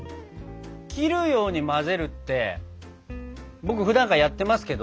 「切るように混ぜる」って僕ふだんからやってますけど。